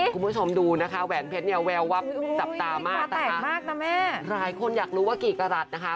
คุณผู้ชมดูนะคะแหวนเพชรเนี่ยแวววับจับตามากนะคะแม่หลายคนอยากรู้ว่ากี่กรัฐนะคะ